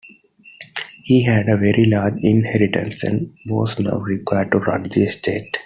He had a very large inheritance, and was now required to run the estate.